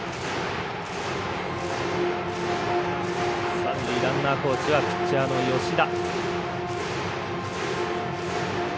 三塁ランナーコーチはピッチャーの吉田。